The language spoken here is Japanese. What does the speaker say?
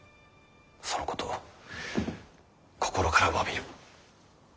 そのことを心からわびる。